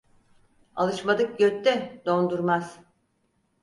Alışmadık götte don durmaz.